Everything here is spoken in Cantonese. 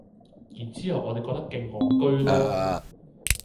然之後我哋覺得勁戇居囉